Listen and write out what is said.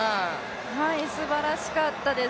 すばらしかったです。